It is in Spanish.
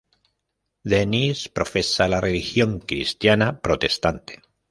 Dennis profesa la religión cristiana protestante.